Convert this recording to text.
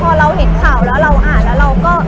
พอเราเห็นข่าวแล้วเราอ่านแล้วเราก็